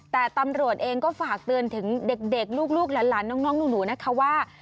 แต่ตำรวจเองก็ฝากเตือนถึงเด็กลูกหลานน้องหนูนะคะว่า